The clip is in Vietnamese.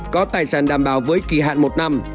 có tài sản đảm bảo với kỳ hạn một năm